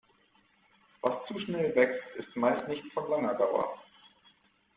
Was zu schnell wächst, ist meist nicht von langer Dauer.